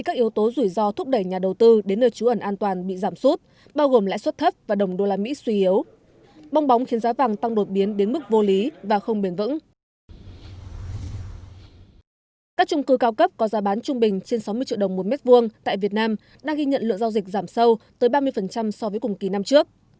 các trung cư cao cấp có giá bán trung bình trên sáu mươi triệu đồng một mét vuông tại việt nam đã ghi nhận lượng giao dịch giảm sâu tới ba mươi so với cùng kỳ năm trước